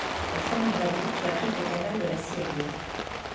Elle forme une vallée qui abrite le canal de la Siagne.